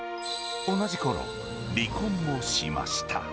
同じころ、離婚もしました。